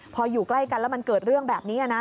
พออยู่ใกล้กันแล้วมันเกิดเรื่องแบบนี้นะ